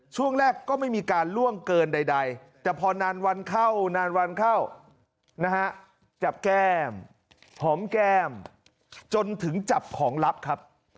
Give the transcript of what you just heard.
ช่วงแรกก็ไม่มีการล่วงเกินใดแต่พอนานวันเข้านานวันเข้านะฮะจับแก้มหอมแก้มจนถึงจับของลับครับ